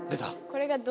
これが「ド」？